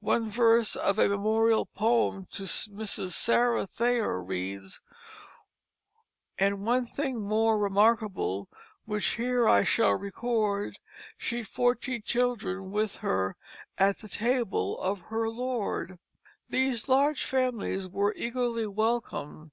One verse of a memorial poem to Mrs. Sarah Thayer reads: "And one thing more remarkable Which here I shall record; She'd fourteen children with her At the table of her Lord." These large families were eagerly welcomed.